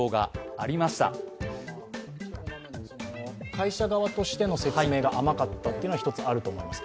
会社側としての説明が甘かったというのが一つあると思います。